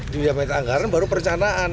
di ujian peranggaran baru perencanaan